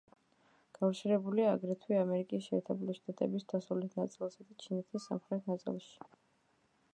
გავრცელებულია აგრეთვე ამერიკის შეერთებული შტატების დასავლეთ ნაწილსა და ჩინეთის სამხრეთ ნაწილში.